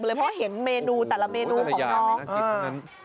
เพราะเห็นเมนูแต่ละเมนูของน้อง